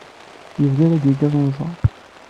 Yebda la d-yekkat unẓar.